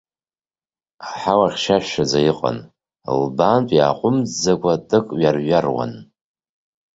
Аҳауа хьшәашәаӡа иҟан, лбаантә иааҟәымҵӡакәа тык ҩарҩаруан.